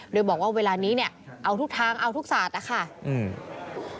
โดยบอกว่าเวลานี้เนี่ยเอาทุกทางเอาทุกศาสตร์นะคะอืม